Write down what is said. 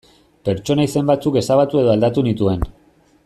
Pertsona izen batzuk ezabatu edo aldatu nituen.